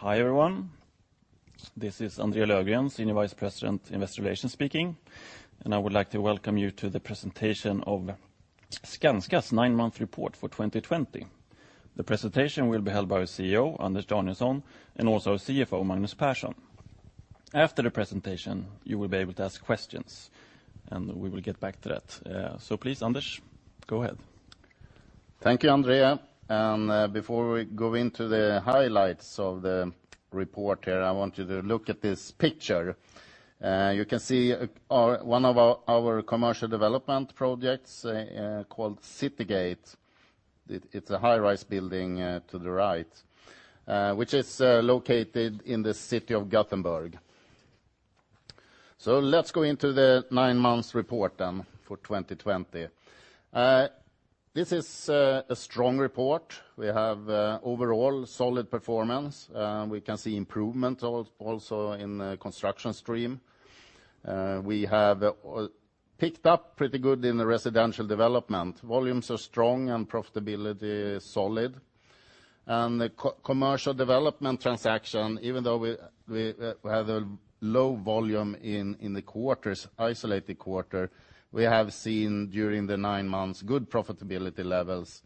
Hi, everyone. This is André Löfgren, Senior Vice President, Investor Relations speaking, and I would like to welcome you to the presentation of Skanska's nine-month report for 2020. The presentation will be held by our CEO, Anders Danielsson, and also our CFO, Magnus Persson. After the presentation, you will be able to ask questions, and we will get back to that. Please, Anders, go ahead. Thank you, André. Before we go into the highlights of the report here, I want you to look at this picture. You can see one of our commercial development projects called Citygate. It's the high-rise building to the right, which is located in the city of Gothenburg. Let's go into the nine months report for 2020. This is a strong report. We have overall solid performance. We can see improvement also in Construction stream. We have picked up pretty good in the residential development. Volumes are strong and profitability is solid. The commercial development transaction, even though we have a low volume in the isolated quarter, we have seen during the nine months good profitability levels.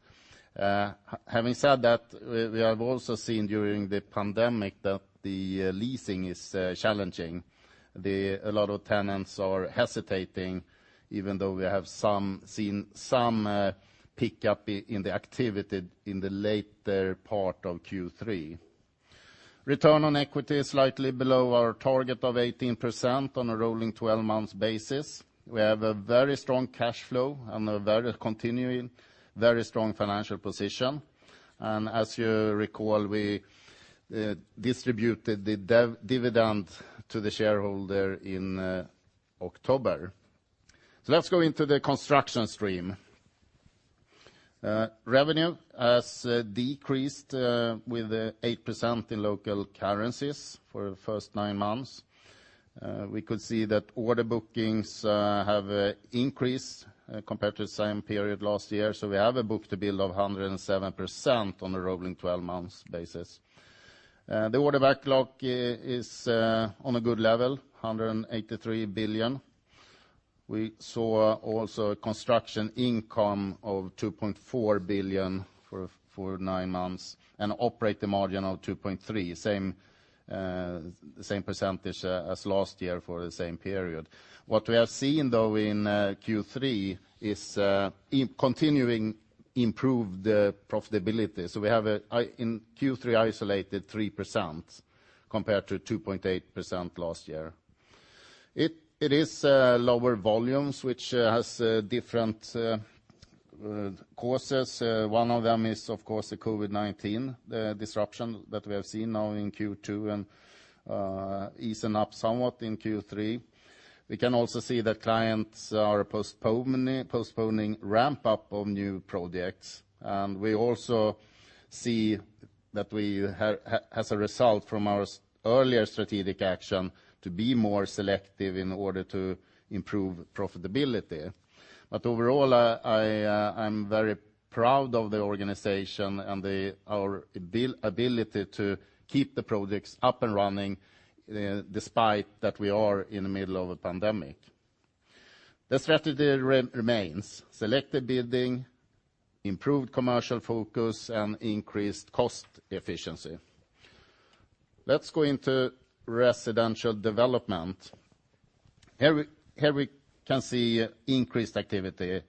Having said that, we have also seen during the pandemic that the leasing is challenging. A lot of tenants are hesitating, even though we have seen some pickup in the activity in the later part of Q3. Return on equity is slightly below our target of 18% on a rolling 12 months basis. We have a very strong cash flow and a very continuing, very strong financial position. As you recall, we distributed the dividend to the shareholder in October. Let's go into the Construction stream. Revenue has decreased with 8% in local currencies for the first nine months. We could see that order bookings have increased compared to the same period last year, we have a book-to-bill of 107% on a rolling 12 months basis. The order backlog is on a good level, 183 billion. We saw also a Construction income of 2.4 billion for nine months and operating margin of 2.3%. The same percentage as last year for the same period. We have seen though in Q3 is continuing improved profitability. We have in Q3 isolated 3% compared to 2.8% last year. It is lower volumes, which has different causes. One of them is, of course, the COVID-19 disruption that we have seen now in Q2 and easing up somewhat in Q3. We can also see that clients are postponing ramp-up of new projects. We also see that as a result from our earlier strategic action to be more selective in order to improve profitability. Overall, I'm very proud of the organization and our ability to keep the projects up and running, despite that we are in the middle of a pandemic. The strategy remains selective bidding, improved commercial focus, and increased cost efficiency. Let's go into residential development. Here we can see increased activity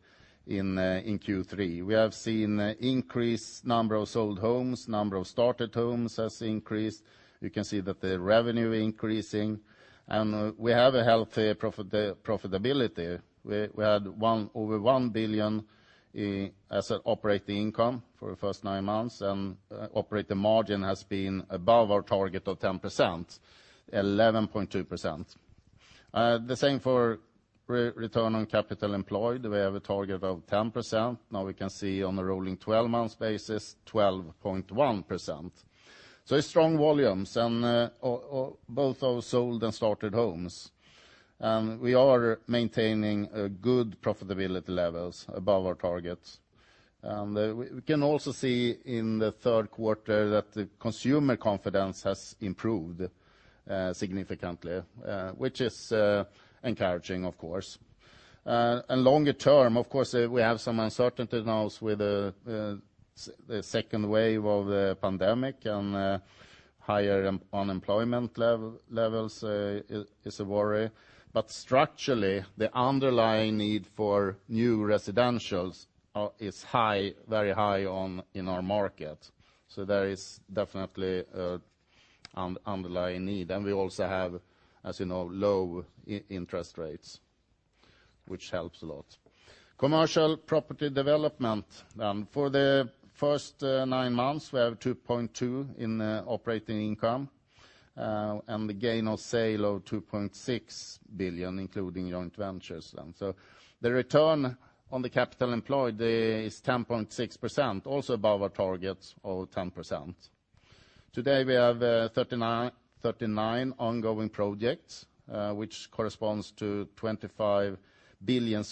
in Q3. We have seen increased number of sold homes, number of started homes has increased. We can see that the revenue increasing, and we have a healthy profitability. We had over 1 billion as an operating income for the first nine months, and operating margin has been above our target of 10%, 11.2%. The same for return on capital employed. We have a target of 10%. Now we can see on a rolling 12 months basis, 12.1%. It's strong volumes both of sold and started homes. We are maintaining good profitability levels above our targets. We can also see in the third quarter that the consumer confidence has improved significantly, which is encouraging, of course. Longer term, of course, we have some uncertainty now with the second wave of the pandemic and higher unemployment levels is a worry. Structurally, the underlying need for new residentials is very high in our market. There is definitely underlying need. We also have, as you know, low interest rates, which helps a lot. Commercial property development. For the first nine months, we have 2.2 billion in operating income, and the gain of sale of 2.6 billion, including joint ventures. The return on the capital employed is 10.6%, also above our target of 10%. Today, we have 39 ongoing projects, which corresponds to 25 billion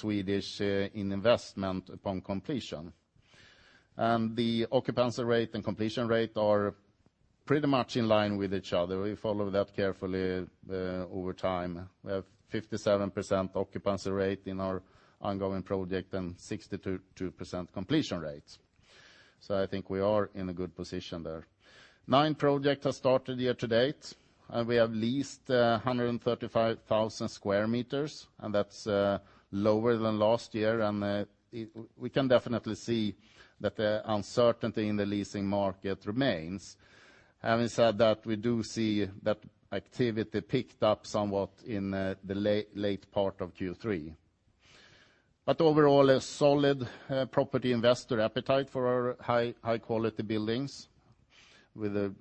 in investment upon completion. The occupancy rate and completion rate are pretty much in line with each other. We follow that carefully over time. We have 57% occupancy rate in our ongoing project, and 62% completion rates. I think we are in a good position there. Nine projects have started year to date. We have leased 135,000 sq m, that's lower than last year. We can definitely see that the uncertainty in the leasing market remains. Having said that, we do see that activity picked up somewhat in the late part of Q3. Overall, a solid property investor appetite for our high-quality buildings with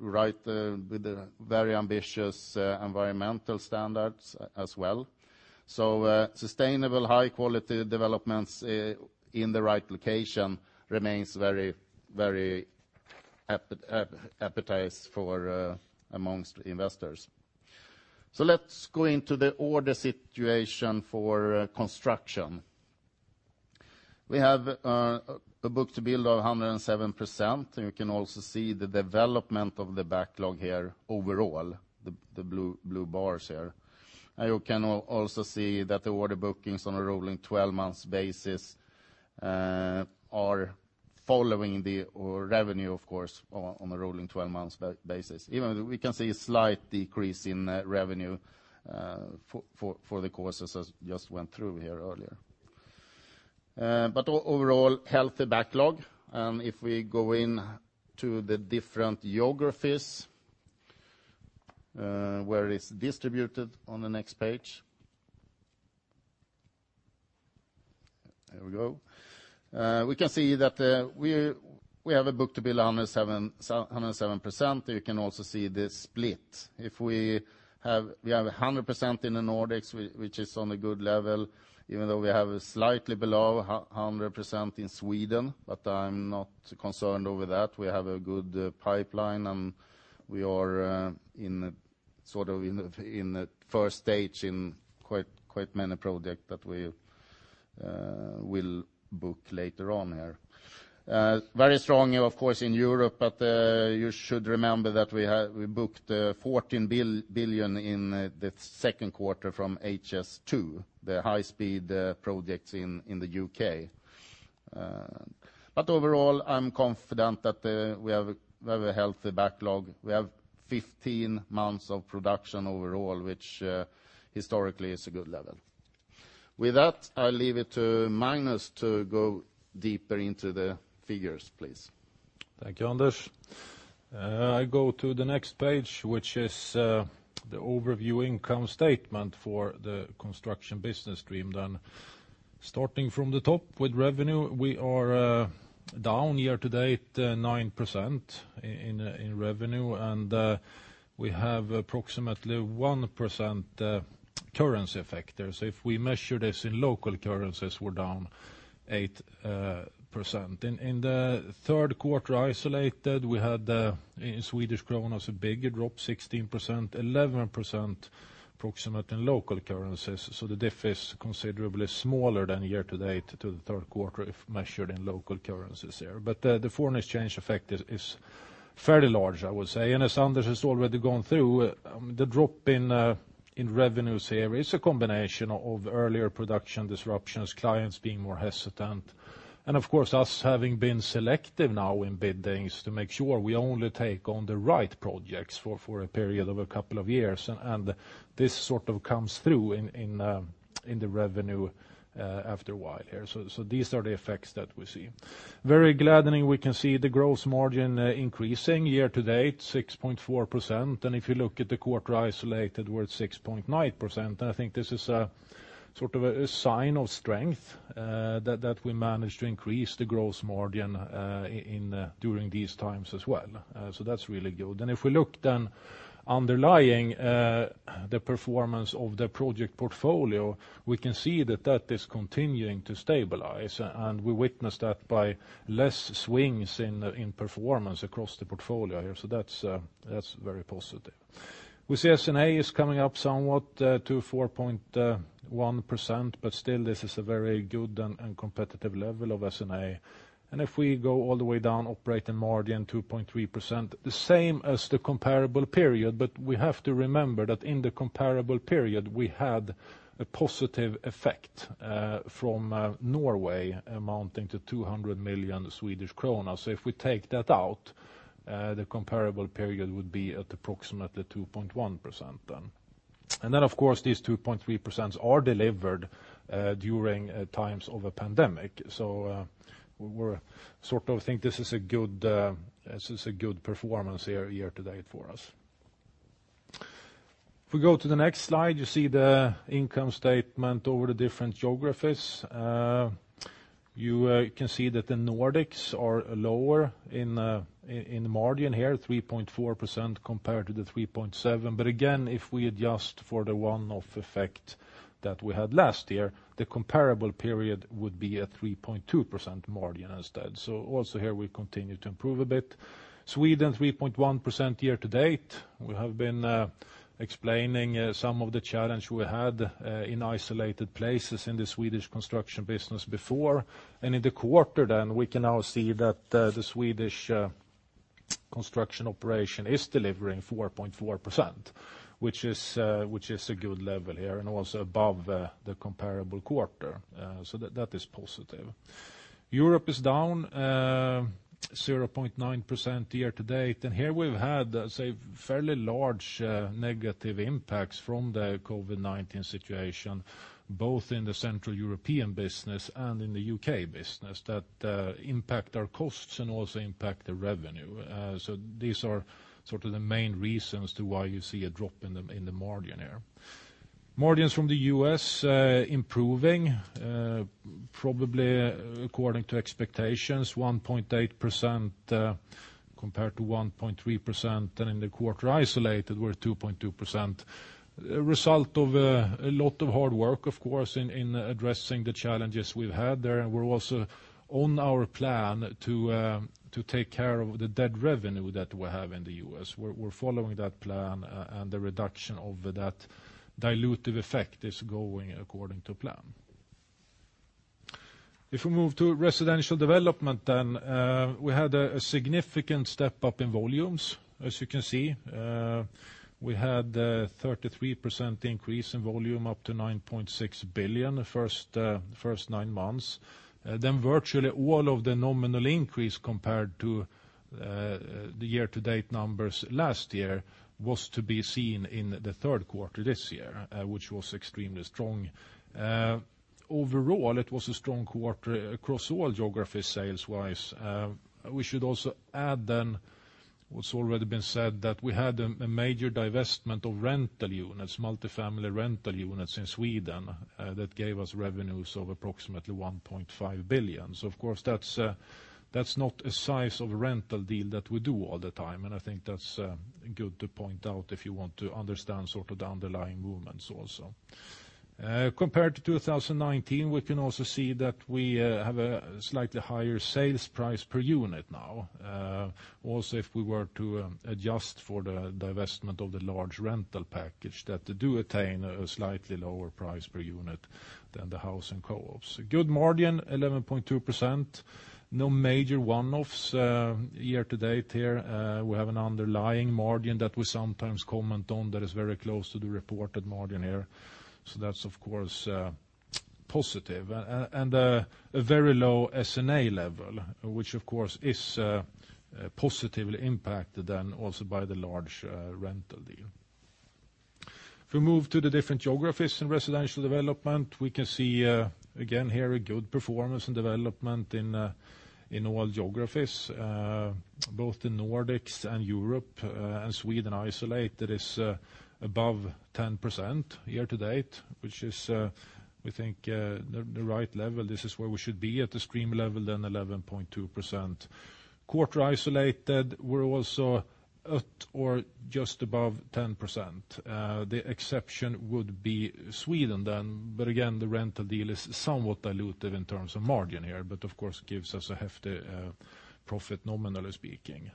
very ambitious environmental standards as well. Sustainable, high-quality developments in the right location remains very appetized amongst investors. Let's go into the order situation for Construction. We have a book-to-bill of 107%, you can also see the development of the backlog here overall, the blue bars here. You can also see that the order bookings on a rolling 12-months basis are following our revenue, of course, on a rolling 12-months basis. We can see a slight decrease in revenue for the causes I just went through here earlier. overall, healthy backlog. If we go into the different geographies, where it's distributed on the next page. There we go. We can see that we have a book-to-bill 107%. You can also see the split. We have 100% in the Nordics, which is on a good level, even though we have slightly below 100% in Sweden. I'm not concerned over that. We have a good pipeline. We are in the first stage in quite many projects that we will book later on here. Very strong, of course, in Europe. You should remember that we booked 14 billion in the second quarter from HS2, the high-speed projects in the U.K. overall, I'm confident that we have a very healthy backlog. We have 15 months of production overall, which historically is a good level. With that, I'll leave it to Magnus to go deeper into the figures, please. Thank you, Anders. I go to the next page, which is the overview income statement for the Construction business stream then. Starting from the top with revenue, we are down year to date 9% in revenue, and we have approximately 1% currency effect there. If we measure this in local currencies, we're down 8%. In the third quarter isolated, we had in Swedish krona, a bigger drop, 16%, 11% approximate in local currencies. The diff is considerably smaller than year to date to the third quarter if measured in local currencies there. The foreign exchange effect is fairly large, I would say. As Anders has already gone through, the drop in revenues here is a combination of earlier production disruptions, clients being more hesitant, and of course, us having been selective now in biddings to make sure we only take on the right projects for a period of a couple of years. This sort of comes through in the revenue after a while here. These are the effects that we see. Very gladdening, we can see the gross margin increasing year to date, 6.4%. If you look at the quarter isolated, we're at 6.9%. I think this is a sign of strength that we managed to increase the gross margin during these times as well. That's really good. If we look then underlying the performance of the project portfolio, we can see that that is continuing to stabilize, and we witness that by less swings in performance across the portfolio here. That's very positive. We see SG&A is coming up somewhat to 4.1%, but still, this is a very good and competitive level of SG&A. If we go all the way down, operating margin 2.3%, the same as the comparable period, but we have to remember that in the comparable period, we had a positive effect from Norway amounting to 200 million Swedish kronor. If we take that out, the comparable period would be at approximately 2.1%. Of course, these 2.3% are delivered during times of a pandemic. We sort of think this is a good performance year to date for us. If we go to the next slide, you see the income statement over the different geographies. You can see that the Nordics are lower in margin here, 3.4% compared to the 3.7%. Again, if we adjust for the one-off effect that we had last year, the comparable period would be a 3.2% margin instead. Also here we continue to improve a bit. Sweden, 3.1% year to date. We have been explaining some of the challenge we had in isolated places in the Swedish Construction business before. In the quarter then, we can now see that the Swedish Construction operation is delivering 4.4%, which is a good level here, and also above the comparable quarter. That is positive. Europe is down 0.9% year to date. Here we've had, say, fairly large negative impacts from the COVID-19 situation, both in the Central European business and in the U.K. business, that impact our costs and also impact the revenue. These are sort of the main reasons to why you see a drop in the margin here. Margins from the U.S. are improving, probably according to expectations, 1.8% compared to 1.3%, and in the quarter isolated were 2.2%. A result of a lot of hard work, of course, in addressing the challenges we've had there. We're also on our plan to take care of the dead revenue that we have in the U.S. We're following that plan, and the reduction of that dilutive effect is going according to plan. If we move to residential development, then, we had a significant step up in volumes. As you can see, we had a 33% increase in volume up to 9.6 billion the first nine months. Virtually all of the nominal increase compared to the year-to-date numbers last year was to be seen in the third quarter this year, which was extremely strong. Overall, it was a strong quarter across all geographies sales-wise. We should also add what's already been said, that we had a major divestment of rental units, multi-family rental units in Sweden, that gave us revenues of approximately 1.5 billion. Of course that's not a size of rental deal that we do all the time, and I think that's good to point out if you want to understand the underlying movements also. Compared to 2019, we can also see that we have a slightly higher sales price per unit now. If we were to adjust for the divestment of the large rental package, that they do attain a slightly lower price per unit than the house and co-ops. Good margin, 11.2%. No major one-offs year to date here. We have an underlying margin that we sometimes comment on that is very close to the reported margin here. That's, of course, positive. A very low SG&A level, which, of course, is positively impacted then also by the large rental deal. If we move to the different geographies in residential development, we can see again here a good performance and development in all geographies, both in Nordics and Europe and Sweden isolated is above 10% year to date, which is, we think, the right level. This is where we should be at this current level, then 11.2%. Quarter isolated were also at or just above 10%. The exception would be Sweden then. Again, the rental deal is somewhat dilutive in terms of margin here, but of course gives us a hefty profit nominally speaking.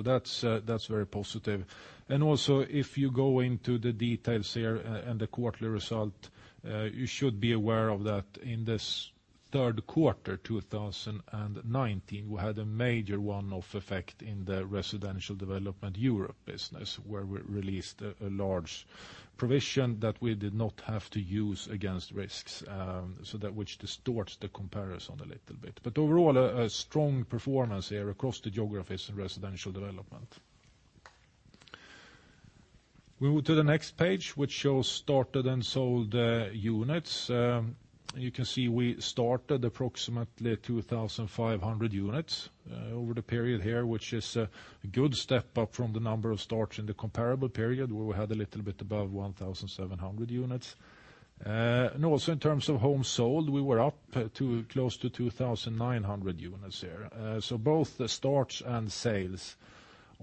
That's very positive. Also if you go into the details here and the quarterly result, you should be aware of that in this third quarter 2019, we had a major one-off effect in the residential development Europe business, where we released a large provision that we did not have to use against risks, so that which distorts the comparison a little bit. Overall, a strong performance here across the geographies in residential development. We move to the next page, which shows started and sold units. You can see we started approximately 2,500 units over the period here, which is a good step up from the number of starts in the comparable period where we had a little bit above 1,700 units. Also in terms of homes sold, we were up close to 2,900 units here. Both the starts and sales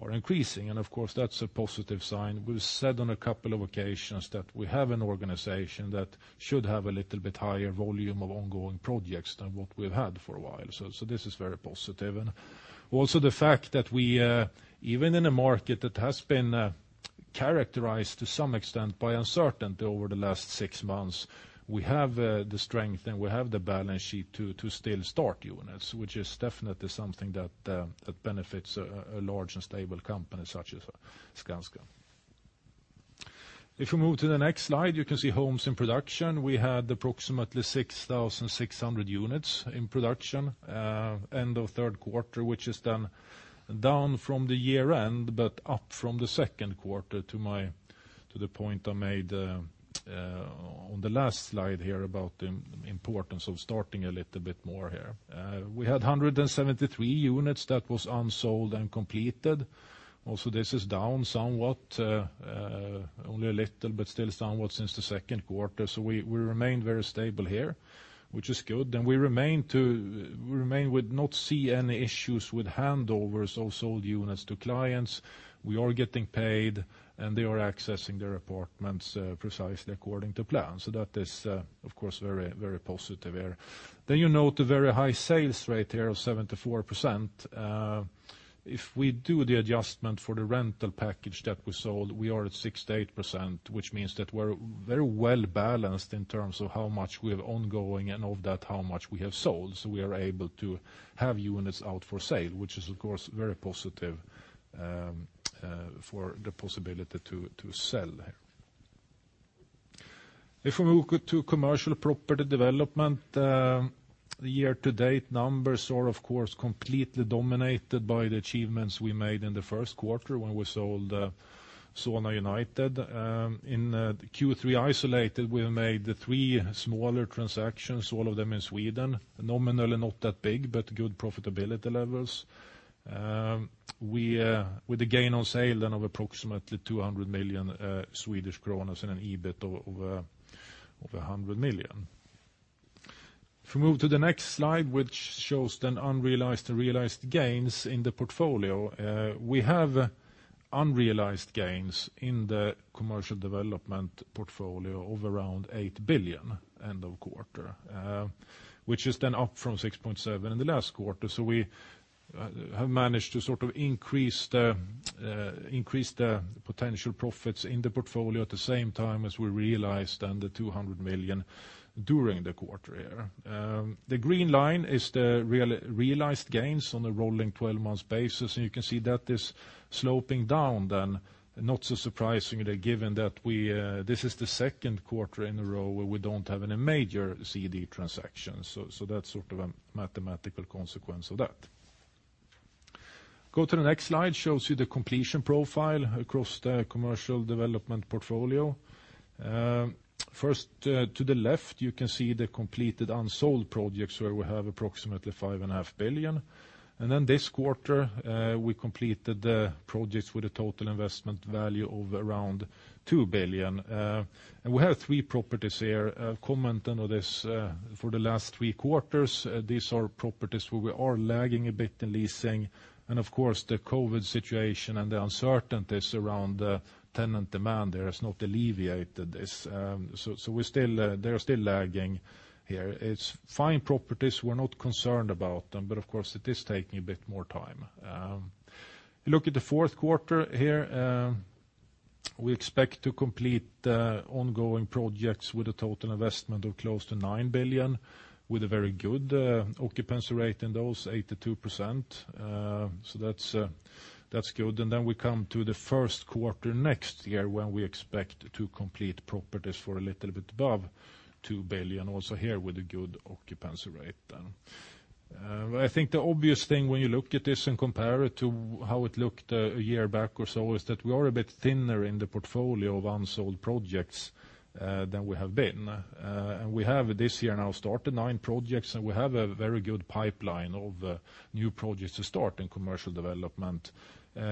are increasing, and of course that's a positive sign. We've said on a couple of occasions that we have an organization that should have a little bit higher volume of ongoing projects than what we've had for a while. This is very positive. Also the fact that even in a market that has been characterized to some extent by uncertainty over the last six months, we have the strength and we have the balance sheet to still start units, which is definitely something that benefits a large and stable company such as Skanska. If we move to the next slide, you can see homes in production. We had approximately 6,600 units in production end of third quarter, which is then down from the year-end, but up from the second quarter to the point I made on the last slide here about the importance of starting a little bit more here. We had 173 units that was unsold and completed. Also this is down somewhat, only a little, but still somewhat since the second quarter. We remain very stable here, which is good. We remain with not seeing any issues with handovers of sold units to clients. We are getting paid, and they are accessing their apartments precisely according to plan. That is, of course, very positive there. You note the very high sales rate here of 74%. If we do the adjustment for the rental package that we sold, we are at 68%, which means that we're very well-balanced in terms of how much we have ongoing, and of that, how much we have sold. We are able to have units out for sale, which is, of course, very positive for the possibility to sell. If we move to commercial property development, the year-to-date numbers are, of course, completely dominated by the achievements we made in the first quarter when we sold Solna United. In Q3 isolated, we made the three smaller transactions, all of them in Sweden. Nominally, not that big, but good profitability levels. With a gain on sale then of approximately 200 million Swedish kronor and an EBIT of 100 million. If we move to the next slide, which shows then unrealized to realized gains in the portfolio. We have unrealized gains in the commercial development portfolio of around 8 billion end of quarter, which is then up from 6.7 billion in the last quarter. We have managed to increase the potential profits in the portfolio at the same time as we realized the 200 million during the quarter here. The green line is the realized gains on a rolling 12 months basis, and you can see that is sloping down then, not so surprisingly given that this is the second quarter in a row where we don't have any major CD transactions. That's sort of a mathematical consequence of that. Go to the next slide, shows you the completion profile across the commercial development portfolio. First, to the left, you can see the completed unsold projects where we have approximately five and a half billion. Then this quarter, we completed the projects with a total investment value of around 2 billion. We have three properties here commented on this for the last three quarters. These are properties where we are lagging a bit in leasing, and of course, the COVID situation and the uncertainties around tenant demand there has not alleviated this. They are still lagging here. It's fine properties. We're not concerned about them, but of course, it is taking a bit more time. Look at the fourth quarter here. We expect to complete ongoing projects with a total investment of close to 9 billion, with a very good occupancy rate in those, 82%. That's good. We come to the first quarter next year when we expect to complete properties for a little bit above 2 billion, also here with a good occupancy rate then. I think the obvious thing when you look at this and compare it to how it looked a year back or so is that we are a bit thinner in the portfolio of unsold projects than we have been. We have this year now started nine projects, and we have a very good pipeline of new projects to start in commercial development.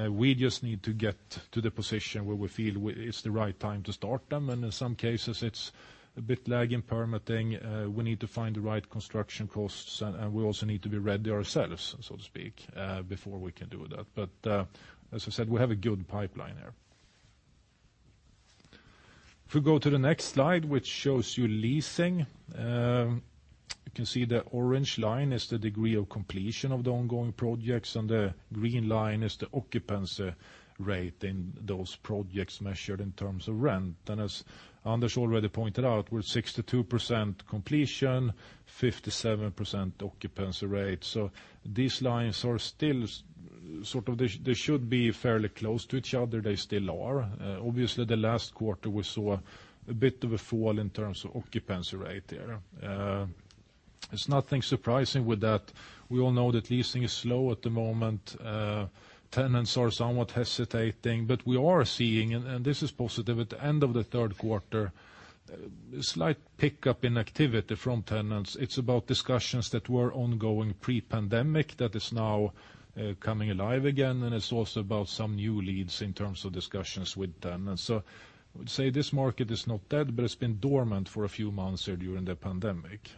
We just need to get to the position where we feel it's the right time to start them, and in some cases, it's a bit lag in permitting. We need to find the right construction costs, and we also need to be ready ourselves, so to speak, before we can do that. As I said, we have a good pipeline there. If we go to the next slide, which shows you leasing. You can see the orange line is the degree of completion of the ongoing projects, and the green line is the occupancy rate in those projects measured in terms of rent. As Anders already pointed out, we're 62% completion, 57% occupancy rate. These lines should be fairly close to each other. They still are. Obviously, the last quarter we saw a bit of a fall in terms of occupancy rate there. It's nothing surprising with that. We all know that leasing is slow at the moment. Tenants are somewhat hesitating, we are seeing, and this is positive, at the end of the third quarter, a slight pickup in activity from tenants. It's about discussions that were ongoing pre-pandemic that is now coming alive again, and it's also about some new leads in terms of discussions with tenants. I would say this market is not dead, but it's been dormant for a few months here during the pandemic.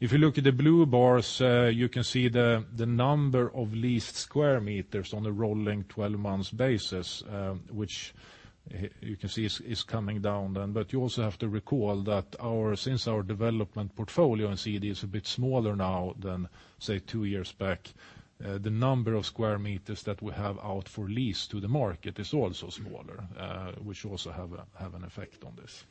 If you look at the blue bars, you can see the number of leased square meters on a rolling 12 months basis, which you can see is coming down then. You also have to recall that since our development portfolio in CD is a bit smaller now than, say, two years back, the number of square meters that we have out for lease to the market is also smaller, which also have an effect on this.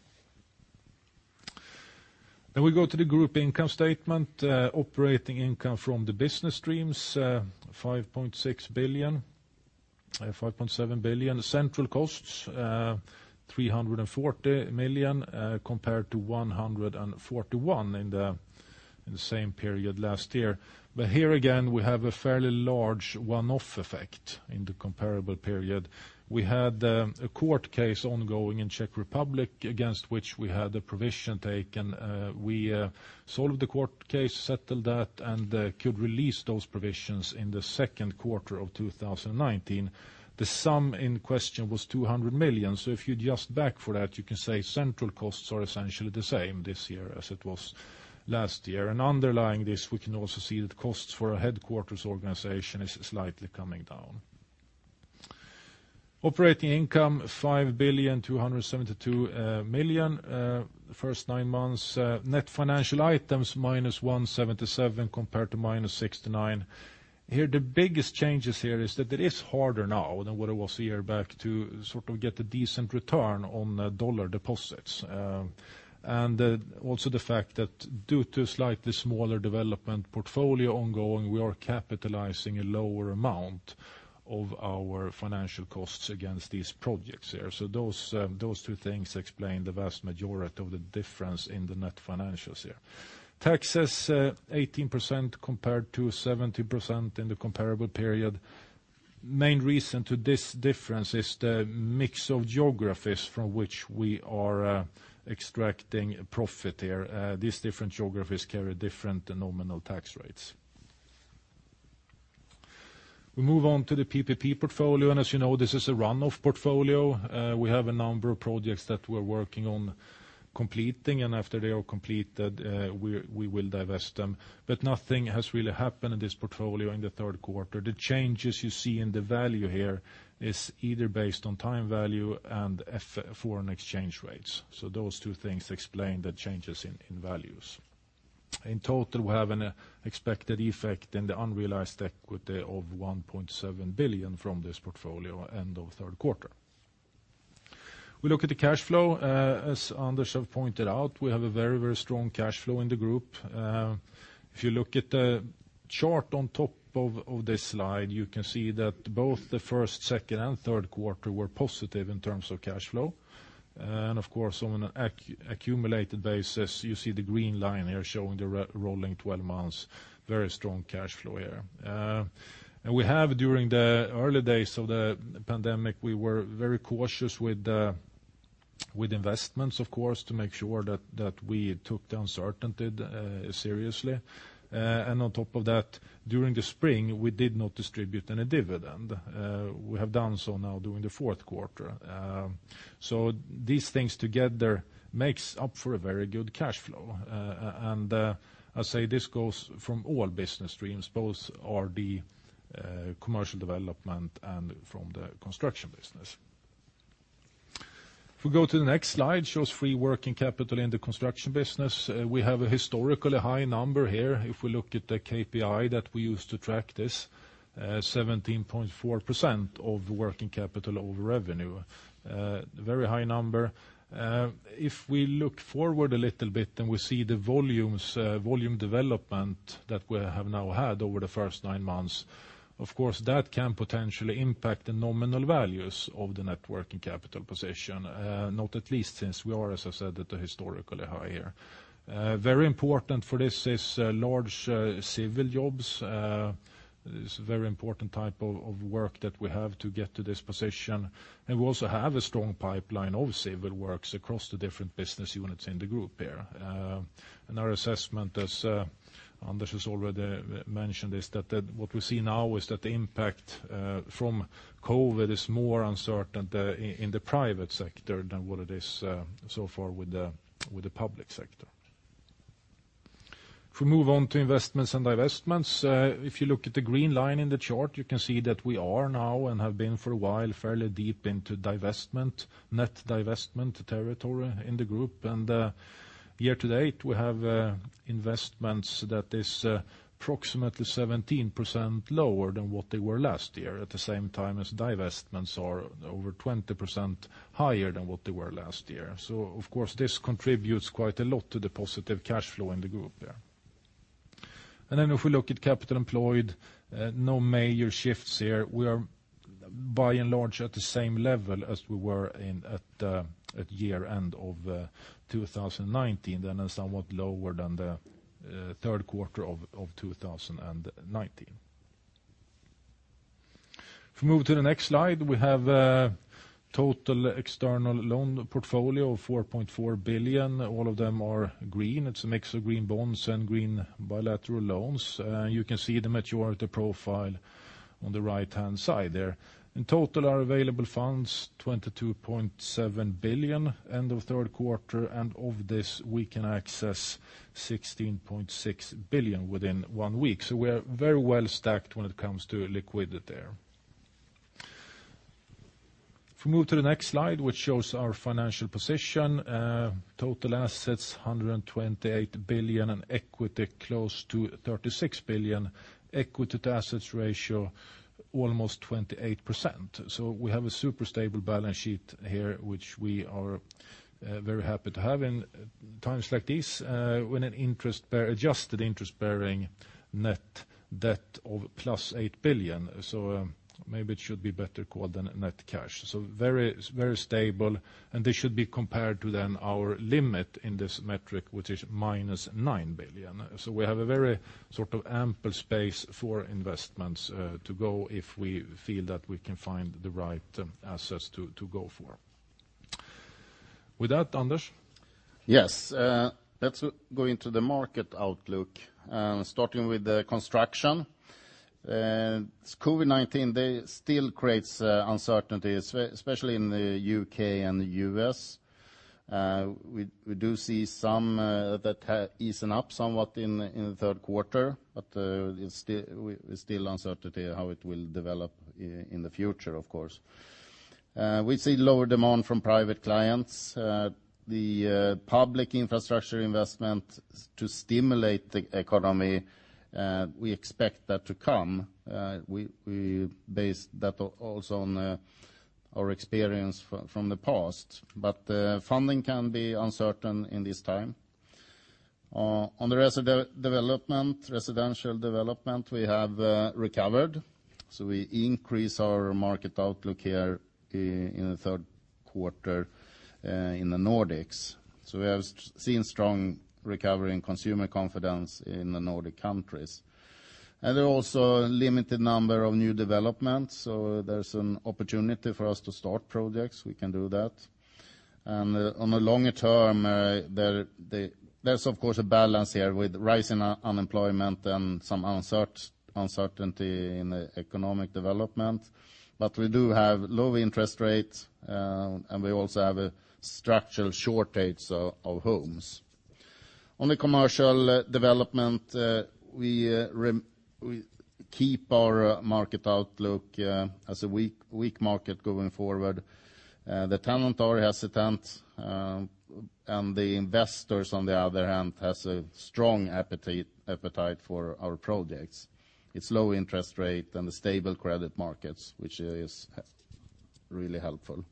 We go to the group income statement, operating income from the business streams, 5.7 billion. Central costs, 340 million compared to 141 million in the same period last year. Here again, we have a fairly large one-off effect in the comparable period. We had a court case ongoing in Czech Republic against which we had a provision taken. We solved the court case, settled that, and could release those provisions in the second quarter of 2019. The sum in question was 200 million. If you adjust back for that, you can say central costs are essentially the same this year as it was last year. Underlying this, we can also see that costs for a headquarters organization is slightly coming down. Operating income, 5,272 million first nine months. Net financial items, minus 177 million compared to minus 69 million. The biggest changes here is that it is harder now than what it was one year back to get a decent return on dollar deposits. Also the fact that due to slightly smaller development portfolio ongoing, we are capitalizing a lower amount of our financial costs against these projects here. Those two things explain the vast majority of the difference in the net financials here. Taxes, 18% compared to 17% in the comparable period. Main reason to this difference is the mix of geographies from which we are extracting profit here. These different geographies carry different nominal tax rates. We move on to the PPP portfolio, and as you know, this is a run-off portfolio. We have a number of projects that we're working on completing, and after they are completed, we will divest them. Nothing has really happened in this portfolio in the third quarter. The changes you see in the value here is either based on time value and foreign exchange rates. Those two things explain the changes in values. In total, we have an expected effect in the unrealized equity of 1.7 billion from this portfolio end of third quarter. We look at the cash flow. As Anders have pointed out, we have a very strong cash flow in the group. If you look at the chart on top of this slide, you can see that both the first, second, and third quarter were positive in terms of cash flow. Of course, on an accumulated basis, you see the green line here showing the rolling 12 months. Very strong cash flow here. During the early days of the pandemic, we were very cautious with investments, of course, to make sure that we took the uncertainty seriously. On top of that, during the spring, we did not distribute any dividend. We have done so now during the fourth quarter. These things together makes up for a very good cash flow. I say this goes from all business streams, both RD commercial development and from the Construction business. If we go to the next slide, shows free working capital in the Construction business. We have a historically high number here. If we look at the KPI that we use to track this, 17.4% of working capital over revenue. A very high number. If we look forward a little bit and we see the volume development that we have now had over the first nine months, of course, that can potentially impact the nominal values of the net working capital position. Not at least since we are, as I said, at a historically high here. Very important for this is large civil jobs. It's a very important type of work that we have to get to this position. We also have a strong pipeline of civil works across the different business units in the group here. Our assessment, as Anders has already mentioned, is that what we see now is that the impact from COVID-19 is more uncertain in the private sector than what it is so far with the public sector. If we move on to investments and divestments, if you look at the green line in the chart, you can see that we are now and have been for a while, fairly deep into divestment, net divestment territory in the group. Year to date, we have investments that is approximately 17% lower than what they were last year. At the same time as divestments are over 20% higher than what they were last year. Of course, this contributes quite a lot to the positive cash flow in the group there. If we look at capital employed, no major shifts here. We are by and large at the same level as we were at year end of 2019, and are somewhat lower than the third quarter of 2019. If we move to the next slide, we have a total external loan portfolio of 4.4 billion. All of them are green. It's a mix of green bonds and green bilateral loans. You can see the maturity profile on the right-hand side there. In total, our available funds, 22.7 billion end of third quarter. Of this, we can access 16.6 billion within one week. We are very well-stacked when it comes to liquidity there. We move to the next slide, which shows our financial position, total assets, 128 billion and equity close to 36 billion. equity to assets ratio, almost 28%. We have a super stable balance sheet here, which we are very happy to have in times like this with an adjusted interest bearing net debt of plus 8 billion. Maybe it should be better called net cash. Very stable, and this should be compared to our limit in this metric, which is minus 9 billion. We have a very ample space for investments to go if we feel that we can find the right assets to go for. With that, Anders? Yes. Let's go into the market outlook, starting with the Construction. COVID-19 still creates uncertainties, especially in the U.K. and the U.S. We do see some that have eases up somewhat in the third quarter, but it's still uncertainty how it will develop in the future, of course. We see lower demand from private clients. The public infrastructure investment to stimulate the economy we expect that to come. We base that also on our experience from the past. Funding can be uncertain in this time. On the residential development, we have recovered. We increase our market outlook here in the third quarter in the Nordics. We have seen strong recovery in consumer confidence in the Nordic countries. There are also a limited number of new developments. There's an opportunity for us to start projects. We can do that. On a longer term, there is of course, a balance here with rising unemployment and some uncertainty in the economic development. We do have low interest rates, and we also have structural shortage of homes. On the commercial development, we keep our market outlook as a weak market going forward. The tenants are hesitant, and the investors, on the other hand, have a strong appetite for our projects. It's low interest rates and the stable credit markets, which is really helpful.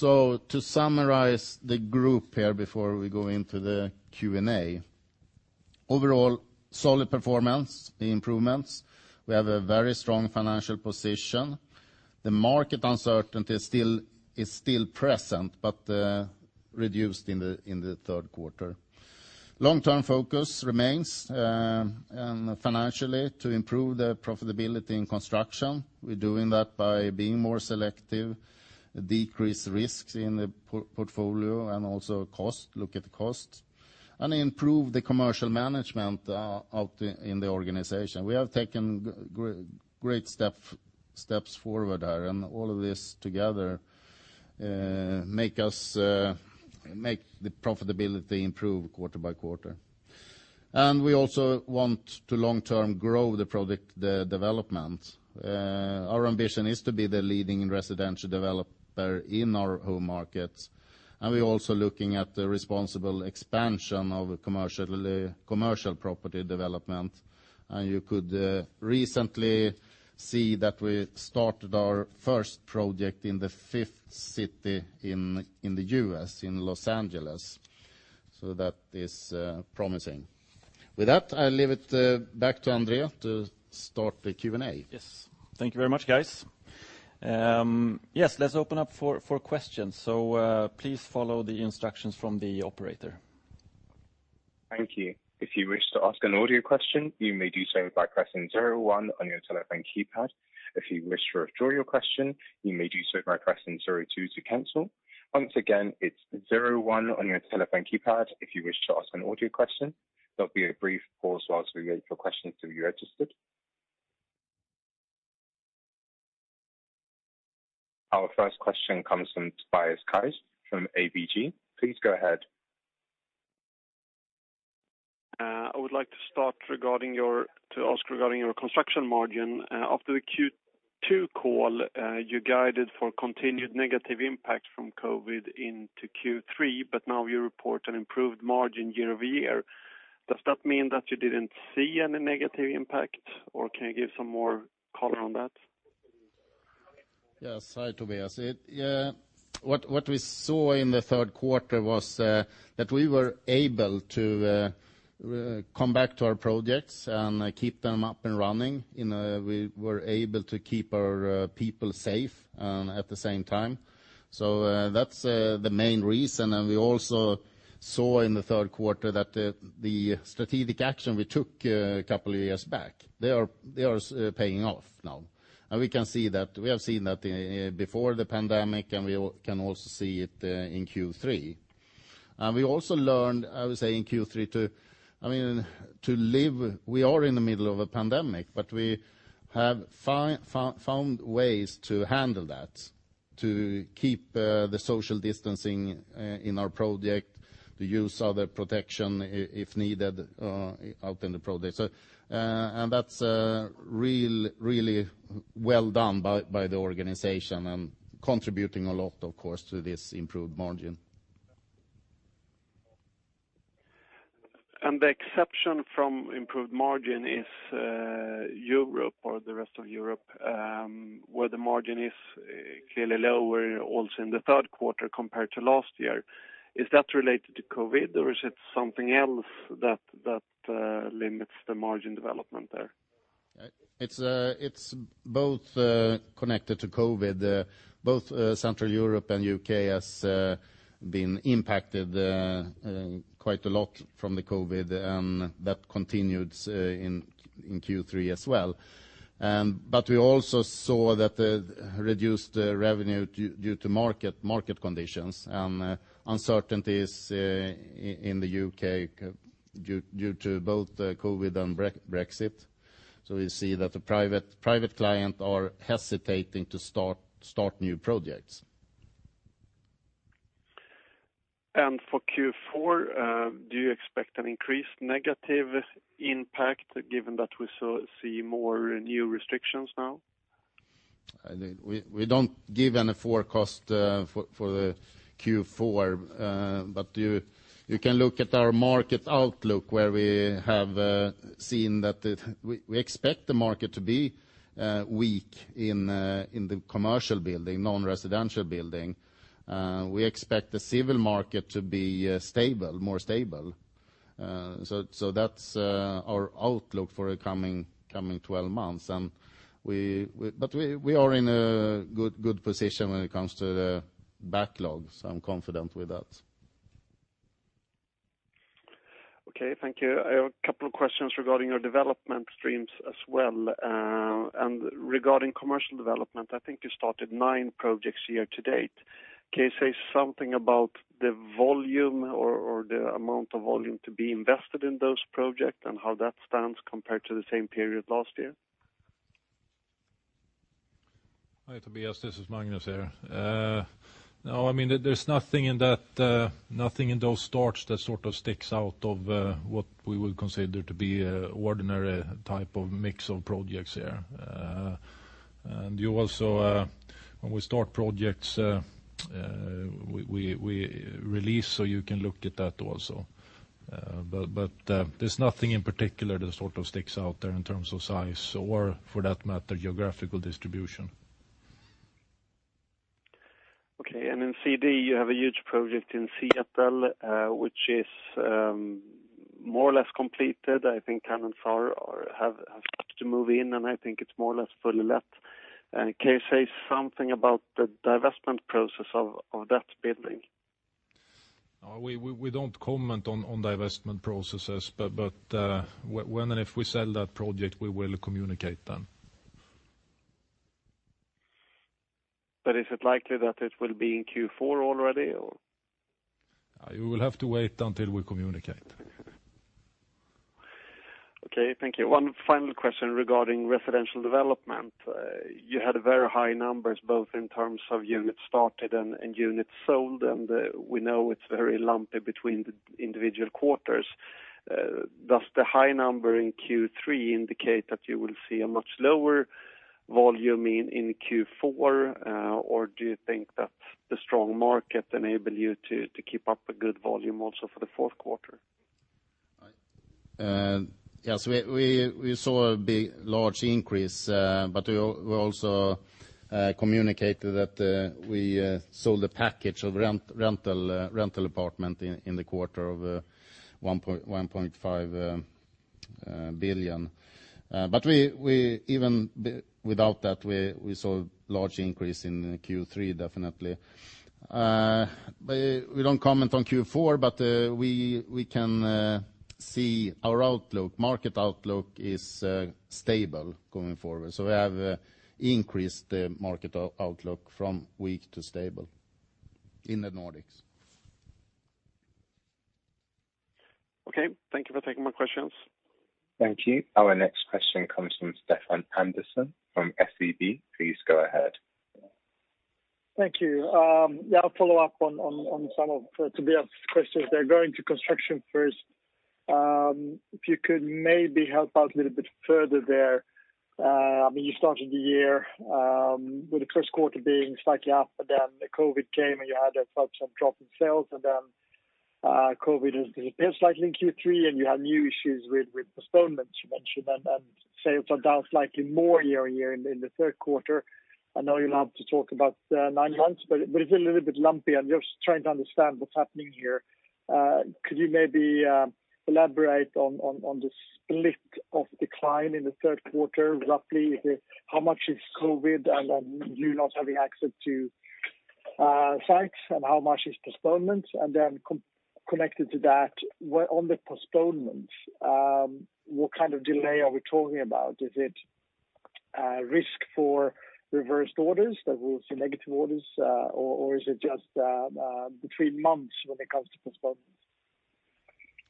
To summarize the group here before we go into the Q&A. Overall solid performance improvements. We have a very strong financial position. The market uncertainty is still present, but reduced in the third quarter. Long-term focus remains, and financially to improve the profitability in Construction. We're doing that by being more selective, decrease risks in the portfolio, and also look at the costs. Improve the commercial management out in the organization. We have taken great steps forward there. All of this together make the profitability improve quarter by quarter. We also want to long-term grow the project development. Our ambition is to be the leading residential developer in our home markets, and we're also looking at the responsible expansion of commercial property development. You could recently see that we started our first project in the 5th city in the U.S., in Los Angeles. That is promising. With that, I leave it back to André to start the Q&A. Yes. Thank you very much, guys. Let's open up for questions. Please follow the instructions from the operator. Thank you. If you wish to ask an audio question, you may do so by pressing zero one on your telephone keypad. If you wish to withdraw your question, you may do so by pressing zero two to cancel. Once again, it's zero one on your telephone keypad if you wish to ask an audio question. There'll be a brief pause whilst we wait for questions to be registered. Our first question comes from Tobias Kaj from ABG. Please go ahead. I would like to start to ask regarding your Construction margin. After the Q2 call, you guided for continued negative impact from COVID into Q3, but now you report an improved margin year-over-year. Does that mean that you didn't see any negative impact, or can you give some more color on that? Yes. Hi, Tobias. What we saw in the third quarter was that we were able to come back to our projects, and keep them up and running. We were able to keep our people safe at the same time. That's the main reason. We also saw in the third quarter that the strategic action we took a couple of years back, they are paying off now. We have seen that before the pandemic, and we can also see it in Q3. We also learned, I would say, in Q3 to live. We are in the middle of a pandemic, but we have found ways to handle that, to keep the social distancing in our project, to use other protection if needed out in the project. That's really well done by the organization and contributing a lot, of course, to this improved margin. The exception from improved margin is Europe or the rest of Europe, where the margin is clearly lower also in the third quarter compared to last year. Is that related to COVID or is it something else that limits the margin development there? It's both connected to COVID. Both Central Europe and U.K. has been impacted quite a lot from the COVID, and that continued in Q3 as well. We also saw that the reduced revenue due to market conditions and uncertainties in the U.K. due to both COVID and Brexit. We see that the private client are hesitating to start new projects. For Q4, do you expect an increased negative impact given that we see more new restrictions now? We don't give any forecast for the Q4. You can look at our market outlook where we have seen that we expect the market to be weak in the commercial building, non-residential building. We expect the civil market to be more stable. That's our outlook for the coming 12 months. We are in a good position when it comes to the backlogs. I'm confident with that. Okay, thank you. I have a couple of questions regarding your development streams as well. Regarding commercial development, I think you started nine projects year to date. Can you say something about the volume or the amount of volume to be invested in those projects and how that stands compared to the same period last year? Hi, Tobias. This is Magnus here. There's nothing in those starts that sort of sticks out of what we would consider to be ordinary type of mix of projects here. When we start projects, we release so you can look at that also. There's nothing in particular that sort of sticks out there in terms of size or, for that matter, geographical distribution. Okay. In CD, you have a huge project in Seattle, which is more or less completed. I think tenants have started to move in, and I think it's more or less fully let. Can you say something about the divestment process of that building? We don't comment on divestment processes. When and if we sell that project, we will communicate then. Is it likely that it will be in Q4 already, or? You will have to wait until we communicate. Okay, thank you. One final question regarding residential development. You had very high numbers, both in terms of units started and units sold, and we know it's very lumpy between the individual quarters. Does the high number in Q3 indicate that you will see a much lower volume in Q4? Do you think that the strong market enables you to keep up a good volume also for the fourth quarter? Yes, we saw a large increase, but we also communicated that we sold a package of rental apartments in the quarter of 1.5 billion. Even without that, we saw a large increase in Q3, definitely. We don't comment on Q4, but we can see our outlook. Market outlook is stable going forward. We have increased the market outlook from weak to stable in the Nordics. Okay. Thank you for taking my questions. Thank you. Our next question comes from Stefan Andersson from SEB. Please go ahead. Thank you. Yeah, I'll follow up on some of Tobias' questions there. Going to Construction first, if you could maybe help out a little bit further there. You started the year with the first quarter being slightly up, COVID came, and you had a subsequent drop in sales. COVID has dissipated slightly in Q3, and you had new issues with postponements, you mentioned, and sales are down slightly more year-on-year in the third quarter. I know you'll have to talk about nine months, it's a little bit lumpy. I'm just trying to understand what's happening here. Could you maybe elaborate on the split of decline in the third quarter? Roughly, how much is COVID and then you not having access to sites, and how much is postponement? Connected to that, on the postponement, what kind of delay are we talking about? Is it a risk for reversed orders that we'll see negative orders, or is it just between months when it comes to postponements?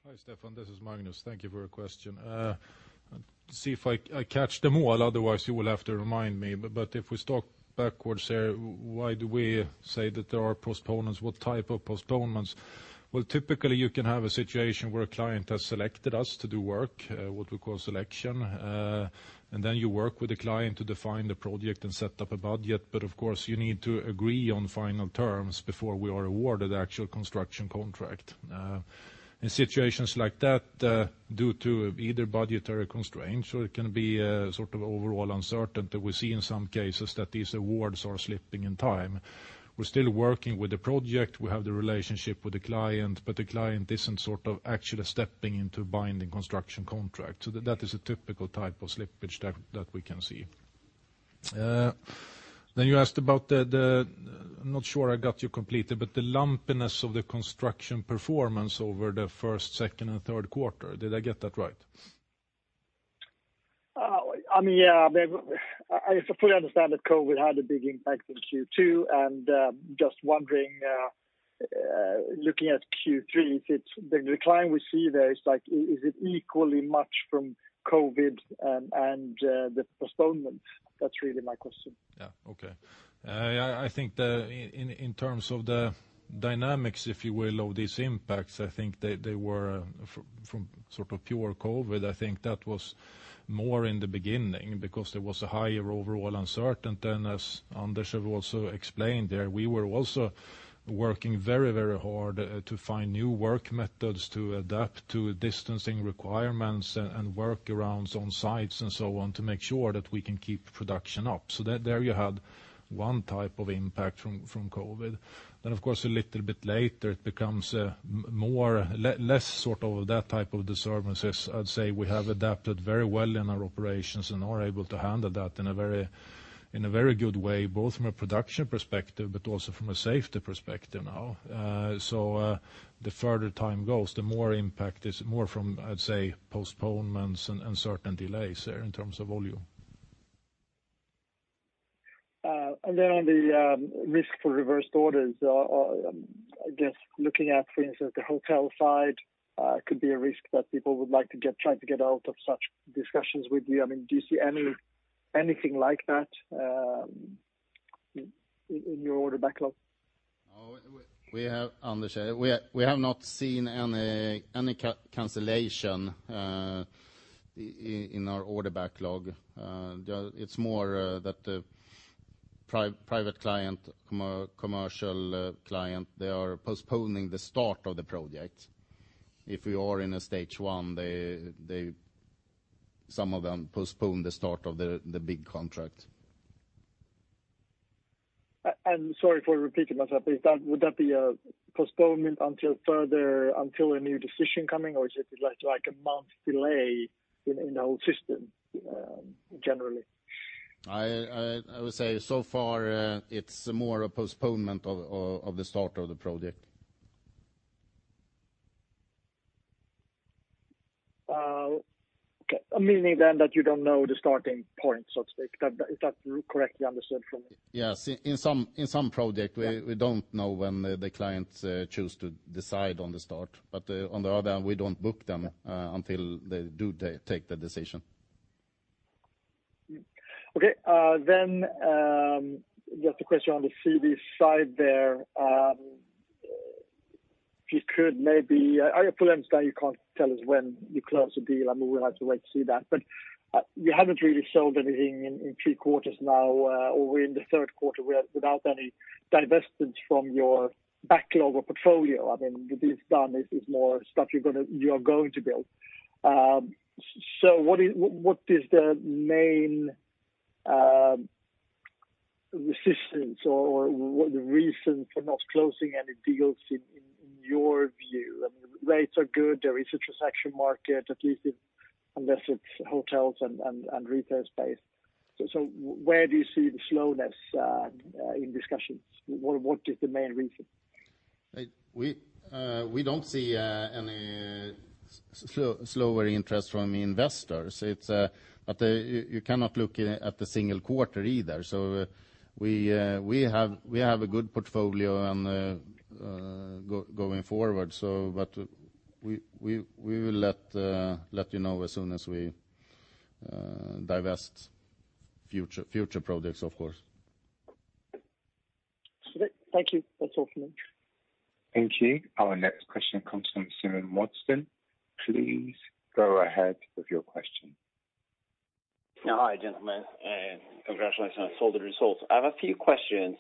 Hi, Stefan. This is Magnus. Thank you for your question. See if I catch them all. Otherwise, you will have to remind me. If we start backwards there, why do we say that there are postponements? What type of postponements? Well, typically, you can have a situation where a client has selected us to do work, what we call selection, and then you work with the client to define the project and set up a budget. Of course, you need to agree on final terms before we are awarded the actual construction contract. In situations like that, due to either budgetary constraints or it can be sort of overall uncertainty, we see in some cases that these awards are slipping in time. We're still working with the project. We have the relationship with the client, but the client isn't sort of actually stepping into binding construction contract. That is a typical type of slippage that we can see. You asked about the, I'm not sure I got you completely, but the lumpiness of the Construction performance over the first, second, and third quarter. Did I get that right? Yeah. If I fully understand that COVID had a big impact in Q2, and just wondering, looking at Q3, the decline we see there, is it equally much from COVID and the postponement? That's really my question. Yeah. Okay. I think in terms of the dynamics, if you will, of these impacts, I think they were from pure COVID. I think that was more in the beginning because there was a higher overall uncertainty than as Anders also explained there. We were also working very hard to find new work methods to adapt to distancing requirements and workarounds on sites and so on to make sure that we can keep production up. There you had one type of impact from COVID. Of course, a little bit later, it becomes less that type of disturbances. I'd say we have adapted very well in our operations and are able to handle that in a very good way, both from a production perspective, but also from a safety perspective now. The further time goes, the more impact is more from, I'd say, postponements and certain delays there in terms of volume. On the risk for reverse orders, I guess looking at, for instance, the hotel side could be a risk that people would like to try to get out of such discussions with you. Do you see anything like that in your order backlog? Anders, we have not seen any cancellation in our order backlog. It's more that the private client, commercial client, they are postponing the start of the project. If we are in a stage 1, some of them postpone the start of the big contract. Sorry for repeating myself. Would that be a postponement until a new decision coming, or is it like a month delay in our system generally? I would say so far it's more a postponement of the start of the project. Meaning then that you don't know the starting point, so to speak. Is that correctly understood from me? Yes. Yeah we don't know when the clients choose to decide on the start. On the other hand, we don't book them until they do take the decision. Okay. Just a question on the CD side there. If you could maybe, I fully understand you can't tell us when you close a deal. I mean, we'll have to wait to see that. You haven't really sold anything in three quarters now, or we're in the third quarter without any divestments from your backlog or portfolio. This then is more stuff you are going to build. What is the main resistance or the reason for not closing any deals in your view? Rates are good. There is a transaction market, at least unless it's hotels and retail space. Where do you see the slowness in discussions? What is the main reason? We don't see any slower interest from investors. You cannot look at the single quarter either. We have a good portfolio going forward. We will let you know as soon as we divest future projects, of course. Thank you. That's all from me. Thank you. Our next question comes from Simon Mortensen. Please go ahead with your question. Hi, gentlemen, and congratulations on all the results. I have a few questions.